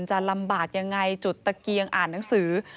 จะลำบากยังไงจุดตะเกียงอ่านหนังสือ